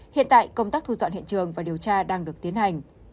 hiện tại công tác thu dọn hiện trường và điều tra đang được tiến hành